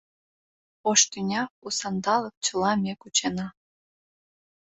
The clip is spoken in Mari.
Ош тӱня, у сандалык Чыла ме кучена...